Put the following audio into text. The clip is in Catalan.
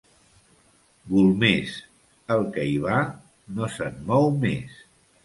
Golmés, el que hi va no se'n mou més.